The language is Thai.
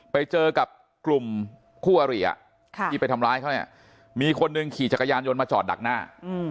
ไปเจอกับกลุ่มคู่อริที่ไปทำร้ายเขาเนี่ยมีคนหนึ่งขี่จักรยานยนต์มาจอดดักหน้า